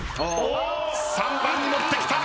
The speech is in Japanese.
３番に持ってきた。